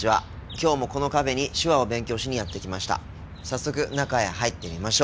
今日もこのカフェに手話を勉強しにやって来ました。